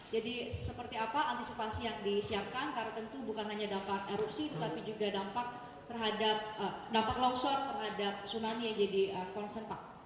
seperti apa antisipasi yang disiapkan karena tentu bukan hanya dampak erupsi tetapi juga dampak terhadap dampak longsor terhadap tsunami yang jadi concern pak